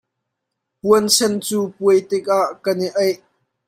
Puansen cu puai tikah kan i aih.